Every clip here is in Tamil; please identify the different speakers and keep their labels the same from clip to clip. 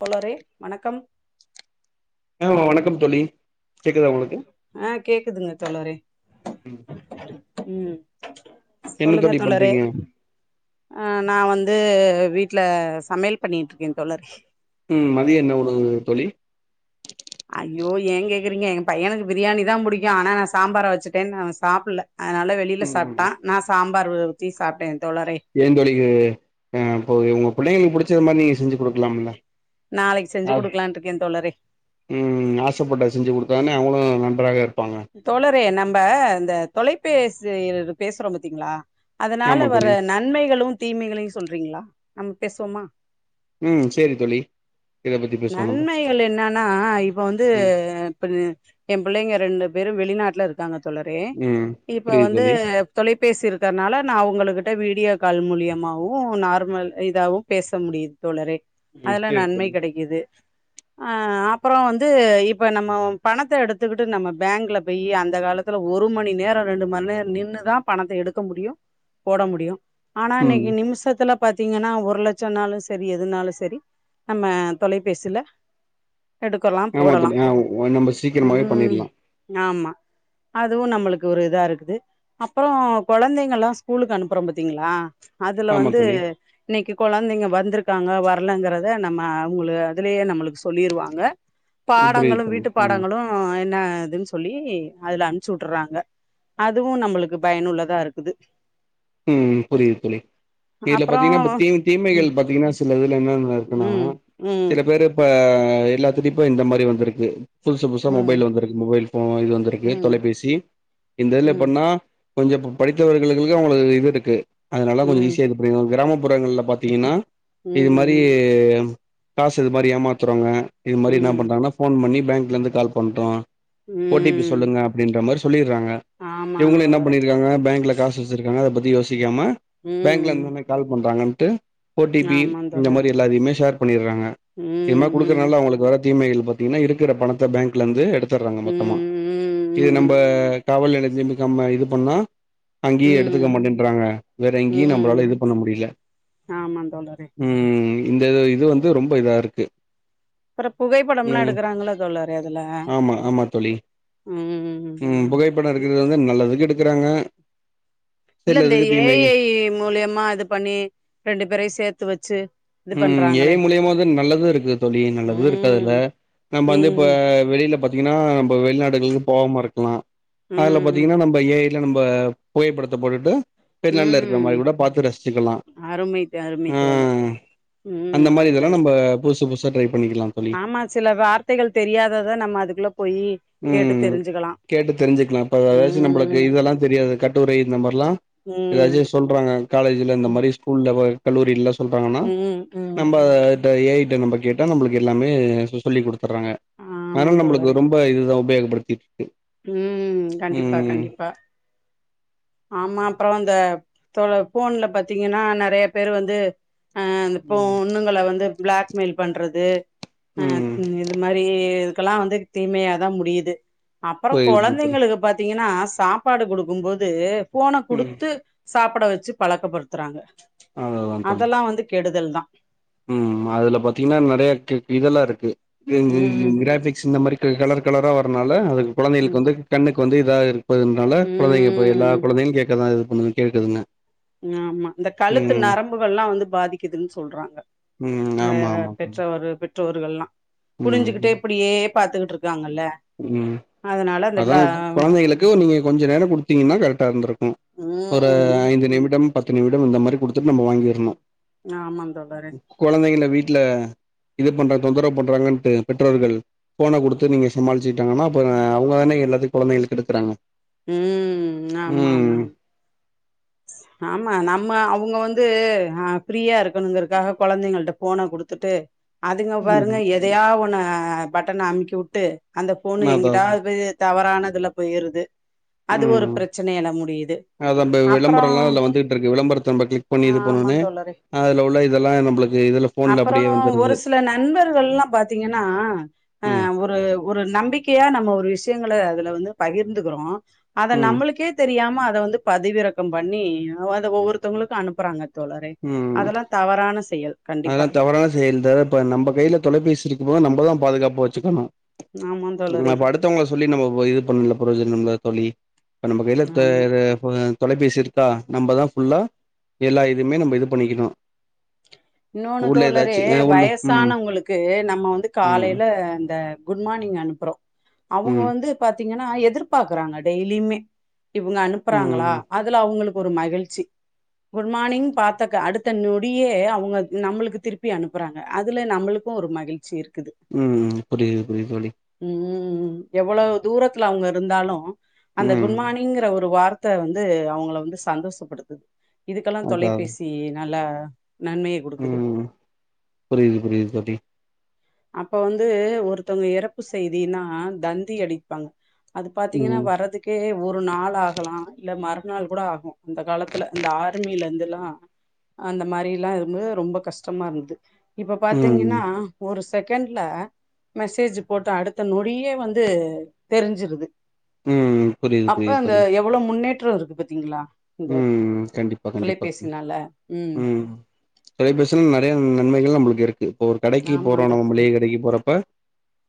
Speaker 1: தோழரே வணக்கம்
Speaker 2: ஆ வணக்கம் தோழி கேக்குதா உங்களுக்கு
Speaker 1: ஆ கேக்குதுங்க தோழரே
Speaker 2: ம்
Speaker 1: ம்
Speaker 2: என்ன
Speaker 1: சொல்லுங்க
Speaker 2: தோழி
Speaker 1: தோழரே
Speaker 2: பண்றீங்க
Speaker 1: ஆ நா வந்து வீட்ல சமையல் பண்ணிட்ருக்கே தோழரே
Speaker 2: ம் மதியம் என்ன உணவு தோழி
Speaker 1: அய்யோ ஏ கேக்குறீங்க எங்க பையனுக்கு பிரியாணி தா புடிக்கு ஆனா நா சாம்பார வச்சுட்டேன் அவேன் சாப்பில்ல அதனால வெளில சாப்ட்டா நா சாம்பார் ஊத்தி சாப்ட்டே தோழரே
Speaker 2: ஏ தோழிகு ஆ இப்போ உங்க புள்ளைங்களுக்கு புடிச்சது மாரி நீங்க செஞ்சு குடுக்லாம்ல
Speaker 1: நாளைக்கு செஞ்சு குடுக்கலான்ட்ருக்கே தோழரே
Speaker 2: ம் ஆசப்பட்டது செஞ்சு குடுத்தானே அவுங்களு நன்றாக இருப்பாங்க
Speaker 1: தோழரே நம்ப இந்த தொலைபேசியில் பேசுறோ பாத்தீங்ளா அதனால
Speaker 2: ஆமா
Speaker 1: வர
Speaker 2: தோழி
Speaker 1: நன்மைகளு தீமைகளையு சொல்றீங்ளா நம்ம பேசுவோமா
Speaker 2: ம் சேரி தோழி இத பத்தி பேசுவோ நம்ம
Speaker 1: நன்மைகள் என்னன்னா இப்ப வந்து
Speaker 2: ம்
Speaker 1: பின்னே எ புள்ளைங்க ரெண்டு பேரு வெளிநாட்ல இருக்காங்க தோழரே
Speaker 2: ம்
Speaker 1: இப்ப
Speaker 2: புரியுது
Speaker 1: வந்து
Speaker 2: தோழி
Speaker 1: தொலைபேசி இருக்கற்னால நா அவுங்களுகிட்ட வீடியோ கால் மூலியமாவு நார்மல் இதாவு பேச முடிது தோழரே
Speaker 2: ம்
Speaker 1: அதுல
Speaker 2: சேரி
Speaker 1: நன்மை
Speaker 2: தோழி
Speaker 1: கெடைக்கிது ஆ அப்றோ வந்து இப்ப நம்ம பணத்த எடுத்துக்கிட்டு நம்ம பேங்க்ல போயி அந்த கால த்துல ஒரு மணி நேரோ ரெண்டுமண் நேரோ நின்னுதா பணத்த எடுக்க முடியு போட முடியு ஆனா
Speaker 2: ம்
Speaker 1: இன்னக்கி நிம்ஷத்துல பாத்தீங்கன்னா ஒரு லட்சோனாலு செரி எதுனாலு செரி நம்ம தொலைபேசில எடுக்கலா
Speaker 2: ஆமா
Speaker 1: போடலா
Speaker 2: தோழி ஆ நம்ம சீக்கிரமாவே
Speaker 1: ம்
Speaker 2: பண்ணிடலா
Speaker 1: ஆமா அதுவு நம்மளுக்கு ஒரு இதாருக்குது அப்றோ கொழந்தைங்கலா ஸ்கூலுக்கு அனுப்புறோ பாத்தீங்களா அதுல
Speaker 2: ஆமா
Speaker 1: வந்து
Speaker 2: தோழி
Speaker 1: இன்னக்கி கொழந்தைங்க வந்திருக்காங்க வர்லங்கறத நம்ம உங்ள அதுலயே நம்மளுக்கு சொல்லிருவாங்க பாடங்களு
Speaker 2: புரியுது தோழி
Speaker 1: வீட்டு
Speaker 2: ம்
Speaker 1: பாடங்களு அ என்னா இதுன்னு சொல்லி அதுல அம்ச்சு வுட்டுறாங்க அதுவு நம்புளுக்கு பயனுள்ளதா இருக்குது
Speaker 2: ம் புரியுது தோழி இதுல
Speaker 1: அப்புறோ
Speaker 2: பாத்தீங்கன்னா இப்ப தீங் தீமைகள்
Speaker 1: ம்
Speaker 2: பாத்தீங்கன்னா சில இதுல இன்னானா என்னா இருக்குன்னா
Speaker 1: ம் ம்
Speaker 2: சில பேரு இப்ப எல்லாத்துட்டையு இப்ப இந்த மாதிரி வந்திருக்கு புதுசு புதுசா
Speaker 1: ம்
Speaker 2: மொபைல் வந்திருக்கு மொபைல் ஃபோ இது வந்திருக்கு
Speaker 1: ம்
Speaker 2: தொலைபேசி இந்த இதுல
Speaker 1: ம்
Speaker 2: எப்பெட்னா கொஞ்சோ ப படித்தவர்களுக்கு அவுங்களுக்கு இது இருக்கு அதனால அவங்களுக்கு ஈஸியா இரு அப்பறோ கிராமப்புறங்கல்ல பாத்தீங்கன்னா
Speaker 1: ம்
Speaker 2: இது மாதிரி
Speaker 1: ம்
Speaker 2: காசு இது மாதிரி ஏமாத்துறவுங்க இது மாதிரி என்ன
Speaker 1: ம்
Speaker 2: பண்றாங்கன்னா ஃபோன் பண்ணி பேங்க்ல இருந்து கால் பண்றோ ஓ டி பி
Speaker 1: ம்
Speaker 2: சொல்லுங்க அப்டீன்ற மாரி சொல்லிறாங்க
Speaker 1: ஆமா
Speaker 2: இவங்கலோ என்ன
Speaker 1: தோழரே
Speaker 2: பண்ணிருக்காங்க பேங்க்ல காசு அம்ச்சுருக்காங்க அத பத்தி யோசிக்காம பேங்க்ல
Speaker 1: ம்
Speaker 2: இர்ந்து கால் பண்றாங்க ஓடி பி
Speaker 1: ஆமா
Speaker 2: இந்த
Speaker 1: தோழர்
Speaker 2: மாரி எல்லாதையுமே ஷேர் பண்ணிறாங்க
Speaker 1: ம்
Speaker 2: இது மாரி
Speaker 1: ம்
Speaker 2: குடுக்குறனால அவுங்களுக்கு வர தீமைகள் பாத்தீங்கன்னா இருக்குற பணத்த பேங்க்ல இருந்து எடுத்தறாங்க மொத்தமா இது நம்ப
Speaker 1: ம்
Speaker 2: காவல் நிலையத்தில இர்ந்து கம்ப இது பண்ணா
Speaker 1: ம்
Speaker 2: அங்கேயே எடுத்துக்க
Speaker 1: ம்
Speaker 2: மாட்டேன்றாங்க வேற எங்கேயு
Speaker 1: ம்
Speaker 2: நம்பளால இது பண்ண முடியுல
Speaker 1: ஆமா தோழரே
Speaker 2: ம் இந்த இது வந்து ரொம்ப இதா இருக்கு
Speaker 1: அப்பறம் புகைப்படம்லா
Speaker 2: ம்
Speaker 1: எடுக்கறாங்களா தோழரே அதுல
Speaker 2: ஆமா ஆமா
Speaker 1: ம்
Speaker 2: படம் இருக்கிறது வந்து நல்லதுக்கு எடுக்குறாங்க
Speaker 1: இல்ல இந்த ஏ ஐ மூலயமா இது பண்ணி ரெண்டு பேரையு சேத்து வெச்சு
Speaker 2: ம் ஏ ஐ மூலியமா வந்து நல்லது இருக்கு தோழி நல்லது இருக்கு அதுல
Speaker 1: ம்
Speaker 2: நம்ம வந்து இப்ப
Speaker 1: ம்
Speaker 2: வெளில பாத்தீங்கன்னா நம்ம வெளிநாடுகளுக்கு போகாம இருக்கலா அதுல
Speaker 1: ம்
Speaker 2: பாத்தீங்கன்னா நம்ம இப்ப ஏ ஐ ல நம்ம புகைப்படத்த போட்டுட்டு வெளிநாட்ல இருக்குற
Speaker 1: ம்
Speaker 2: மாரி கூட பாத்து ரசிச்சுக்கலா
Speaker 1: அருமை அருமை தோழர்
Speaker 2: ஆஹ்
Speaker 1: ம்
Speaker 2: அந்த மாரி
Speaker 1: ரைட்
Speaker 2: இதெல்லா
Speaker 1: ரைட்
Speaker 2: நம்ம புதுசு புதுசா ட்ரை பண்ணிக்கலா தோழி
Speaker 1: ஆமா சில வார்த்தைகள் தெரியாதத நம்ம அதுக்குள்ள போயி கேட்டு
Speaker 2: ம்
Speaker 1: தெரிஞ்சுக்கலா
Speaker 2: கேட்டு தெரிஞ்சுக்கலா இப்ப எதாச்சு நம்புளுக்கு
Speaker 1: ம்
Speaker 2: இதெல்லா தெரியாது கட்டுரை இந்த மாரிலா
Speaker 1: ம்
Speaker 2: எதாச்சு சொல்றாங்க காலேஜ்ல இந்த
Speaker 1: ம்
Speaker 2: மாரி ஸ்கூல்ல கல்லூரில சொல்றாங்கன்னா
Speaker 1: ம் ம்
Speaker 2: நம்ப இப்ப ஏ ஐ கிட்ட நம்ப கேட்டா நம்புளுக்கு எல்லாமே சொ சொல்லி குடுத்துறாங்க
Speaker 1: ஆமா
Speaker 2: அதனால நம்புளுக்கு ரொம் ப இதுதா உபயோகப்படுத்திட்டு இருக்கு
Speaker 1: உம் கண்டிப்பா
Speaker 2: ம்
Speaker 1: கண்டிப்பா ஆமா அப்புறோ அந்த தொ ஃபோன்ல பாத்தீங்கன்னா நறைய பேரு வந்து அ இந்த
Speaker 2: ம்
Speaker 1: பொண்ணுங்கல வந்து பிளாக்மெயில் பண்றது அ
Speaker 2: ம்
Speaker 1: இந்த மாரி இதுக்கெல்லா வந்து தீமையாதா முடியுது அப்புறோ
Speaker 2: போய்
Speaker 1: கொழந்தைங்களுக்கு பாத்தீங்கன்னா சாப்பாடு குடுக்கும்போது ஃபோன
Speaker 2: ம்
Speaker 1: குடுத்து சாப்புட வெச்சு பழக்கப்படுத்துறாங்க
Speaker 2: அவ்ளோதா தோழி
Speaker 1: அதெல்லா வந்து கெடுதல் தா
Speaker 2: ம் அதுல பாத்தீங்கன்னா நறைய கெ இதெல்லா இருக்கு கிங்
Speaker 1: ம்
Speaker 2: கிங் கிராபிக்ஸ் இந்த மாரி கலர் கலரா வரனால அதுக்கு கொழந்தைகளுக்கு
Speaker 1: ம்
Speaker 2: வந்து கண்ணுக்கு வந்து இதாக இருப்பதுனால கொழந்தைங்க இப்ப எல்லா
Speaker 1: ம்
Speaker 2: கொழந்தையு கேட்கதா இது பண்ணு கேக்குதுங்க
Speaker 1: ஆமா இந்த கழுத்து
Speaker 2: ம்
Speaker 1: நரம்புகள்லா வந்து பாதிக்குதுன்னு சொல்றாங்க
Speaker 2: ம்
Speaker 1: நறய
Speaker 2: ஆமா ஆமா
Speaker 1: பெற்றவரு பெற் றோர்கள்லா
Speaker 2: ம்
Speaker 1: குனிஞ்சுகிட்டே இப்புடியே பாத்துக்கிட்டு இருக்காங்கல்ல
Speaker 2: ம்
Speaker 1: அதனால அந்த க
Speaker 2: அதா கொழந்தைகளுக்கு டே நீங்க கொஞ்ச நேரோ கொடுத்தீங்கன்னா கரெக்டா இருந்திருக்கு ஒரு
Speaker 1: ம்
Speaker 2: ஐந்து நிமிடம் பத்து நிமிடம் இந்த மாரி குடுத்துட்டு நம்ம வாங்கிடணோ
Speaker 1: ஆமாங்க தோழரே
Speaker 2: குழந்தைங்கள வீட்டுல இது பண்றாங்க தொந்தரவு பண்றாங்கன்ட்டு பெற்றோர்கள் போன குடுத்து நீங்க சமாளிச்சுக்கிட்டாங்கன்னா அப்பறோ அவுங்க தானே எல்லாத்தையு கொழந்தைகள கெடுக்குறாங்க
Speaker 1: ம் ஆமா ஆமாம் ஆமா நம்ம அவுங்க வந்து ஆ ஃப்ரீயாருக் க்கனுங்குறக்காக கொழந்தைங்கள்ட்ட போன குடுத்துட்டு அதுங்க பாருங்க
Speaker 2: ம்
Speaker 1: எதையா ஒன்ன பட்டன அமுக்கி வுட்டு அந்த போனு
Speaker 2: அதா அதா
Speaker 1: எங்கிட்டாது போய் தவறானதுல போயிருது அது ஒரு ப்ரச்சனையல முடியுது
Speaker 2: அதுல நம்ம
Speaker 1: அப்றோ
Speaker 2: விளம்பரோல்லா அதுல வந்துகிட்ருக்கு விளம்பரத்த நம்ம கிளிக் பண்ணி இது
Speaker 1: ஆமா
Speaker 2: பண்ணோனே அதுல உள்ள இதெல்லா நம்பளுக்கு இதுல ஃபோன்ல
Speaker 1: அப்பறோ
Speaker 2: அப்டியே
Speaker 1: ஒரு
Speaker 2: வந்துருது
Speaker 1: சில நண்பர்கள்ல்லா பாத்தீங்கன்னா அ
Speaker 2: ம்
Speaker 1: ஒரு ஒரு நம்பிக்கையா நம்ம ஒரு விஷயங்கள அதுல வந்து பகிர்ந்துக்குறோ அத
Speaker 2: ம்
Speaker 1: நம்மளுக்கே தெரியாம அத வந்து பதிவிறக்கம் பண்ணி அத ஒவ்வொருத்தவங்களுக்கு அனுப்புறாங்க தோழரே
Speaker 2: ம்
Speaker 1: அதல்லா தவறான செயல் கண்டிப்பா
Speaker 2: [unintelligible] செயல் தானப் இப்ப நம்ம கைய்ல தொலைபேசி இருக்கும் போது நம்பதா பாதுகாப்பா வச்சுக்கணு
Speaker 1: ஆமா
Speaker 2: இகுன
Speaker 1: தோழரே
Speaker 2: படுத் அடுத்தவுங்கல சொல்லி நம்ம வ இது பண்ல ப்ரோஜனோமில்ல தோழி இப்ப நம்ம கையில தே
Speaker 1: ஆமா
Speaker 2: தே ப தொலைபேசி இருக்கா நம்பதா ஃபுல்லா எல்லா இதுமே நம்ம இது பண்ணிக்கணு
Speaker 1: இன்னொன்னு
Speaker 2: உள்ள
Speaker 1: தோழரே
Speaker 2: ஏதாச்சு அ உள்ள ம்
Speaker 1: வயசானவங்களுக்கு நம்ம வந்து
Speaker 2: ம்
Speaker 1: காலையில இந்த குட் மார்னிங் அனுப்புறோ அவுங்க
Speaker 2: ம்
Speaker 1: வந்து பாத்தீங்கன்னா எதிர்பார்க்குறாங்க டெய்லியுமே இவுங்க அனுப்புறாங்களா
Speaker 2: ம்
Speaker 1: அதுல அவுங்களுக்கு ஒரு மகிழ்ச்சி குட் மார்னிங் பாத்தக்க அடுத்த நொடியே அவுங் ங்க நம்மளுக்கு திருப்பி அனுப்புறாங்க அதுல நம்மளுக்கு ஒரு மகிழ்ச்சி இருக்குது
Speaker 2: ம் ம் புரியது புரியுது தோழி
Speaker 1: ம் ம் எவ்வளோ தூரத்துல அவுங்க இருந்தாலு அந்த
Speaker 2: ம்
Speaker 1: குட் மார்னிங்குற ஒரு வார்த் த்த வந்து அவுங்கள வந்து சந்தோஷப்படுத்துது இதுக்கல்லா
Speaker 2: அதா அதா
Speaker 1: தொலைபேசி நல்லா நன்மைய குடுக்குது
Speaker 2: ம் புரியுது புரியுது தோழி
Speaker 1: அப்போ வந்து ஒருத்தவுங்க இறப்பு செய்தின்னா தந்தி அடிப் பாங்க அது பாத்தீங்கன்னா
Speaker 2: ம்
Speaker 1: வர்றதுக்கு க்கே ஒரு நாள் ஆகலாம் இல்ல மறுநாள் கூட ஆகு இந்த காலத்துல இந்த ஆர்மில இருந்தெல்லா அந்த மாரில்லா இருக்கும் போது ரொம்ப கஷ்டமா இருந்தது இப்ப
Speaker 2: ம்
Speaker 1: பாத்தீங்கென்னா ஒரு செகண்ட்ல மெசேஜு போட்டு அடுத்த நொடியே வந்து தெரிஞ்சிருது
Speaker 2: ம் புரியுது
Speaker 1: அப்ப
Speaker 2: புரியுது
Speaker 1: அந்த
Speaker 2: தோழி
Speaker 1: எவ்ளோ முன்னேற்றோ இருக்கு பாத்தீங்ளா
Speaker 2: ம் ம் கண்டிப்பா கண்டிப்பா தோழி ம் தொலைபேசில நெறையா நன்மைகள் நம்மளுக்கு இருக்கு இப்ப ஒரு கடைக்கு
Speaker 1: ஆமா
Speaker 2: போறோ நம்ம
Speaker 1: தோழரே
Speaker 2: மளிகை கடைக்கி போறப்ப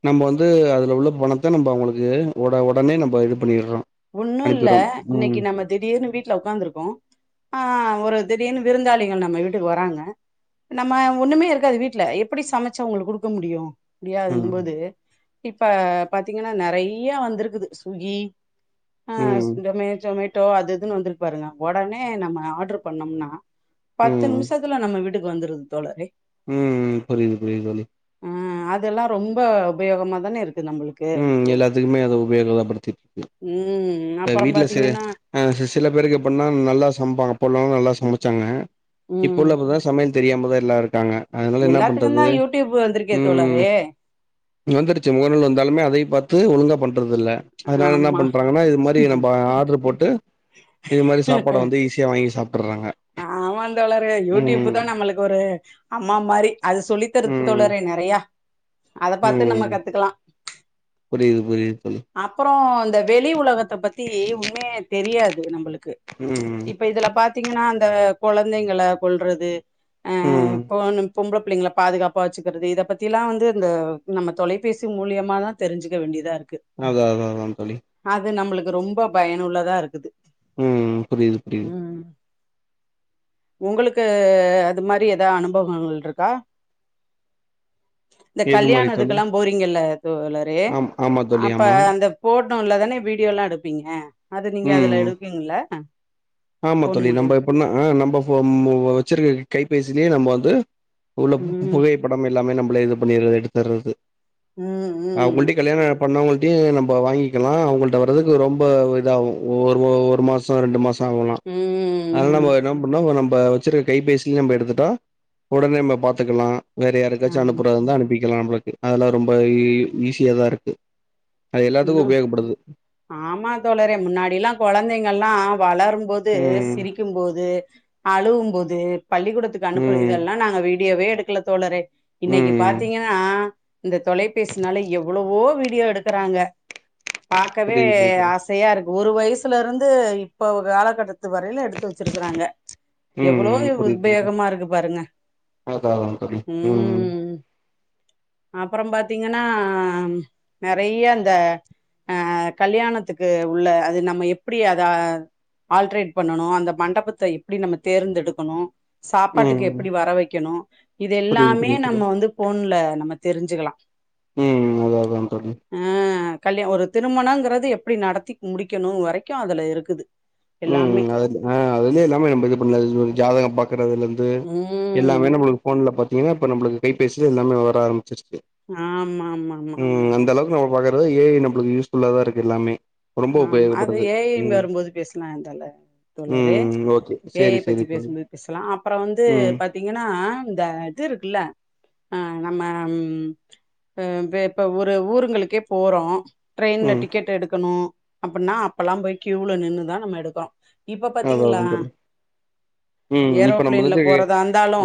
Speaker 2: நம்ம வந்து அதுல உள்ள பணத்த நம்ம அவுங்களுக்கு ஒட ஒடனே நம்ம இது பண்ணிர்றோ
Speaker 1: ஒன்னு இல்ல இன்னைக்கி நம்ம திடீர்னு வீட்ல உக்காந்துருக்கோ ஆ ஒரு திடீர்னு விருந்தாளிகள் நம்ம வீட்டுக்கு வராங்க நம்ம ஒண்ணுமே இருக்காது வீட்டுல எப்புடி சமச்சு அவுங்களுக்கு குடுக்க முடியு முடியாதுங்கும்
Speaker 2: ம்
Speaker 1: போது இப்ப பாத்தீங்கன்னா நெறையா வந்துருக்குது சுகி ஆ
Speaker 2: ம்
Speaker 1: ஜொமே ஜோமேட்டோ அது இதுன்னு வந்துருக்கு பாருங்க ஒடனே நம்ம ஆர்ட்ரு பண்ணம்னா பத்து
Speaker 2: ம்
Speaker 1: நிம்ஷத்துல நம்ம வீட்டுக்கு வந்துருது தோழரே
Speaker 2: ம் ம் புரியுது புரியுது தோழி
Speaker 1: ஆ அதெல்லா ரொம்ப உபயோகமா தானே இருக்கு நம்மளுக்
Speaker 2: ம் எல்லாத்துக்குமே அது உபயோகந்தா படுத்தி
Speaker 1: ம் அப்பறோ பாத்தீங்கென்னா
Speaker 2: சில பேருக்கு எப்படின்னா நல்லா சமைப்பாங்க அப்ப எல்லா நல்லா சமைச்சாங்க இப்போ
Speaker 1: ம்
Speaker 2: உள்ள அப்போ தா சமையல் தெரியாமதா எல்லா இருக்காங்க அதனால என்னா பண்றது
Speaker 1: எல்லாத்துக்குந்தா யூடியூப் வந்திருக்கே
Speaker 2: ம்
Speaker 1: தோழரே
Speaker 2: வந்துருச்சு முகநூல் வந்து இப்வுமே அதையு பார்த்து ஒழுங்கா பண்றதுல்ல அதனால என்ன
Speaker 1: ஆமா
Speaker 2: பண்றாங்கனா இது மாரி நம்ப ஆர்டர் போட்டு இது மாரி சாப்பாட வந்து ஈஸியா வாங்கி சாப்பர்றாங்க
Speaker 1: ஆமாந் தோழரு யூ டியூப் தா நம்மளுக்கு ஒரு அம்மா மாரி அது சொல்லித்தருது
Speaker 2: ம்
Speaker 1: தோழரே நெறையா அத பாத்து நம்ம கத்துக்கலா
Speaker 2: புரிது புரிது சொல்லு
Speaker 1: அப்பறோ இந்த வெளி உலகத்த பத்தி உண்மையே தெரியாது நம்புளுக்கு
Speaker 2: ம்
Speaker 1: ச்இப்ப இதுல பாத்தீங்கனா அந்த கொழந்தைங்கள கொல்றது ஆ
Speaker 2: ம்
Speaker 1: போணு பொம்பள புள்ளைங்கள பாதுகாப்பா வச்சுக்கிறது இத பத்திலா வந்து இந்த நம்ம தொலைபேசி மூலியமாதா தெரிஞ்சிக்க வேண்டியதா இருக்கு
Speaker 2: அதா அதா அதா தோழி
Speaker 1: அது நம்பளுக்கு ரொம்ப பயனுள்ளதா இருக்குது
Speaker 2: ம்ம் புரியுது புரியுது
Speaker 1: உங்ளுக்கு அது மாரி ஏதா அனுபவங்கள் இருக்கா இந்த
Speaker 2: எது மாரி
Speaker 1: கல்யாண
Speaker 2: தோழி
Speaker 1: இதுக்கெலா போரிங்கல்ல தோழரே
Speaker 2: ஆம் ஆமா தோழி
Speaker 1: அப்ப
Speaker 2: ஆமா
Speaker 1: அந்த [unintelligible] இல்லதானே வீடியோ எல்லா எடுப்பீங்க அது நீங்க
Speaker 2: ம்
Speaker 1: அதுல எடுப்பீங்கல்ல
Speaker 2: ஆமா
Speaker 1: ஃபோன்
Speaker 2: தோழி நம்ப
Speaker 1: மூலியம்
Speaker 2: எப்படுன்னா நம்ப வச்சிருக்க கைபேசிலயே நம்ம வந்து உள்ள
Speaker 1: ம்
Speaker 2: புகைப்படம் எல்லாமே நம்மள இது பண்ணி எடுத்தர்றது
Speaker 1: ம்
Speaker 2: ஆ
Speaker 1: ம் ம்
Speaker 2: உங்கள்ட கல்யாண பண்ணவங்கள்ட்டையு நம்ப வாங்கிக்கலா அவங்கள்ட வர்றதுக்கு ரொம்ப இதாகு ஒரு ஒரு மாசோ ரெண்டு மாசோ வாங்கலா
Speaker 1: ம் ம்
Speaker 2: அதனால நம்ம என்ன பண்லா நம்ம வச்சிருக்க கைபேசிலயே நம்ம எடுத்துட்டா உடனே நம்ப பாத்துக்கலா வேற யாருக்காச்சு
Speaker 1: ஆமா
Speaker 2: அனுப்புறதுந்தா அனுப்பிக்கலா நம்மளுக்கு அதெல்லா ரொம்ப ஈஸியாதா இருக்கு அது எல்லாத்துக்கு
Speaker 1: இன்னு
Speaker 2: உபயோகப்படுது
Speaker 1: ஆமா தோழரே முன்னாடி எல்லா கொழந்தைங்கல்லா வளரும்போது
Speaker 2: ம்
Speaker 1: சிரிக்கும்போது அழுவும்போது பள்ளிக்கூடத்துக்கு அனுப்பு
Speaker 2: ம்
Speaker 1: இதெல்லா நாங்க வீடியோவே எடுக்கல தோழறே இன்னைக்கு
Speaker 2: ம்
Speaker 1: பாத்தீங்கனா இந்த தொலைபேசினால எவ்வளவோ வீடியோ எடுக்கறாங்க [unintelligible] பார்க்கவே
Speaker 2: புரியுது புரியுது
Speaker 1: ஆசையா இருக்கு ஒரு வயசுல இருந்து இப்ப அவுக காலகட்டத்து பத்து வரையிலு எடுத்து வச்சிருக்கறாங்க எவ்வளவோ
Speaker 2: ம்
Speaker 1: உபயோகமா இருக்கு பாருங்க
Speaker 2: அதா அதா தோழி ம்
Speaker 1: அப்பறம் பாத்தீங்கன்னா ஆ நெறைய இந்த ஆ கல்யாணத்துக்கு உள்ள அது நம்ம எப்பிடி அதா ஆல்ட்ரேட் பண்ணணு அந்த மண்டபத்தை எப்டி நம்ம தேர்ந்தெடுக்கணு சாப்பாட்டுக்கு
Speaker 2: ம்
Speaker 1: எப்டி வர வைக்கணு இது
Speaker 2: புரியுது
Speaker 1: எல்லாமே
Speaker 2: புரியுது
Speaker 1: நம்ம
Speaker 2: புரியுது
Speaker 1: வந்து போன்ல நம்ம தெரிஞ்சிக்கலா
Speaker 2: ம் ம் ம் அதா தோழி
Speaker 1: அ கல்ய ஒரு திருமணங்கறது எப்டி நடத்தி முடிக்கணு வரைக்கு அதில இருக்குது
Speaker 2: ம்
Speaker 1: எல்லாமே
Speaker 2: ம் அது அ அதுக்கே இல்லாம நம்ம இது பண்ணல ஜாதகம் பாக்கறதுலருந்து இது
Speaker 1: ம்
Speaker 2: எல்லாமே நம்மளுக்கு போன்ல பாத்தீங்கனா இப்ப நம்மளுக்கு கைப்பேசில எல்லாமே வர ஆரம்பிச்சிருச்சு
Speaker 1: ஆம்மாமாமா
Speaker 2: ம் அந்தளவுக்கு நம்ம பாக்கறது ஏ ஐ நம்பளுக்கு யூஸ்ஃபுல்லாதா தா இருக்கு எல்லாமே ரொம்ப
Speaker 1: ஆமா அது
Speaker 2: உபயோகப்படுது
Speaker 1: ஏ ஐல
Speaker 2: ம்
Speaker 1: வரும்போது பேசுலா தோழ தோழரே
Speaker 2: ம் ஓகே
Speaker 1: ஏ
Speaker 2: சேரி
Speaker 1: ஐ
Speaker 2: சேரி
Speaker 1: பத்தி
Speaker 2: தோழி
Speaker 1: பேசும்போது பேசலா அப்பறோ வந்து
Speaker 2: ம்
Speaker 1: பாத் தீங்கன்னா இந்த இது இருக்குல்ல ஆ நம்ம ம் அ இப்ப இப்ப ஒரு ஊருங்களுக்கே போறோ ட்ரெய்ன்ல
Speaker 2: ம்
Speaker 1: டிக்கெட் எடுக்கணு அப்புன்னா அப்பல்லா போய் க்யூல நின்றுதா நம்ம எடுக்கனு இப்ப
Speaker 2: அதா
Speaker 1: பாத்தீங்ளா
Speaker 2: அதா தோழி ம் இப்ப நம்மளதேடி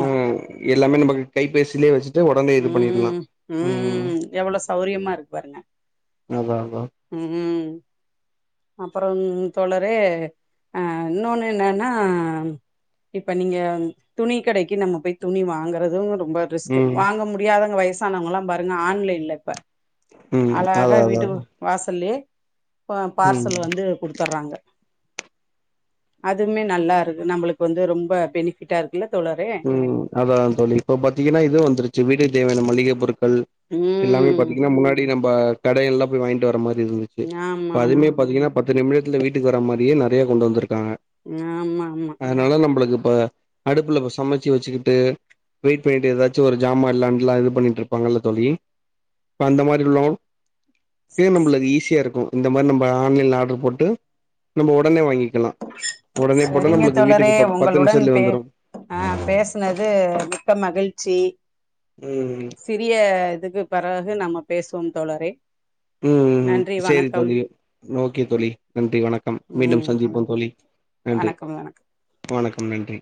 Speaker 2: ம் எல்லாமே நம்ம கைபேசிலயே வெச்சுட்டு ஒடனே இது பண்ணிடலா
Speaker 1: ம் ம் எவ்வளோ சவ்ரியமா இருக்கு பாருங்க
Speaker 2: அதா அதா
Speaker 1: ம் ம் அப்பறம் தோழரே அ இன்னொன்னு என்னன்னா இப்ப நீங்க துணி கடைக்கு நம்ம போய் துணி வாங்கறது ரொம்ப ரிஸ்கு
Speaker 2: ம்
Speaker 1: வாங்க முடியாதவங்க வய்சானவங்கள்லா பாருங்க ஆன்லைன்ல இப்ப
Speaker 2: ம் அதா
Speaker 1: அழகா
Speaker 2: அதா
Speaker 1: வீட்டு வாசல்லயே பா
Speaker 2: ம்
Speaker 1: பார்சல் வந்து குடுத் தர்றாங்க அதுமே நல்லாருக்கு நம்மளுக்கு வந்து ரொம்ப பெனிபிட்டா இருக்குல்ல தோழரே
Speaker 2: ம் அதா தோழி இப்ப பாத்தீங்கனா இது வந்துருச்சு வீடு தேவையான மளிகை பொருட்கள்
Speaker 1: ம்
Speaker 2: எல்லாமே பாத்தீங்கனா முன்னாடி நம்ப கடைலா போய் வாங்கிட்வரமாரி இருந்துச்சு
Speaker 1: ஆமா
Speaker 2: இப்ப
Speaker 1: ஆமா
Speaker 2: அதுமே பாத்தீங்கனா பத்து நிமிடத்துல வீட்டுக்கு வர மாரியே நறையா கொண்டு வந்திருக்காங்க
Speaker 1: ஆமா ஆமா
Speaker 2: அதனால நம்பளுக்கு இப்ப அடுப்புல பஸ் சமச்சு வெச்சுக்குட்டு வெயிட் பண்ணிட்டு எதாச்சு ஒரு ஜாமா இல்லான்ல்லா இது பண்ணிட்டு இருப்பாங்கல்ல தோழி இப்ப அந்த மாரி உள்ளோ இப்பயே நம்பளுக்கு ஈஸியா இருக்கு இந்தமாரி நம்ம ஆன்லைன்ல ஆர்டரு போட்டு நம்ம உடனே வாங்கிக்கலா உடனே போட்ட
Speaker 1: சரிங்க
Speaker 2: நம்மளுக்கு வீட்டுக்கு
Speaker 1: தோழரே
Speaker 2: பத் பத்து
Speaker 1: உங்களுடன்
Speaker 2: நிமிஷத்துலயே
Speaker 1: பே
Speaker 2: வந்துரு
Speaker 1: ஆ பேசனது மிக்க மகிழ்ச்சி
Speaker 2: ம்
Speaker 1: சிறிய இதுக்கு பெறகு நம்ம பேசுவோம் தோழரே
Speaker 2: ம்
Speaker 1: நன்றி
Speaker 2: சேரி
Speaker 1: வணக்கம்
Speaker 2: தோழி ஓகே தோழி நன்றி வணக்கம் மீண்டும்
Speaker 1: ம் வணக்
Speaker 2: சந்திப்போம் தோழி நன்றி
Speaker 1: வணக்கம் வணக்
Speaker 2: வணக்கம் நன்றி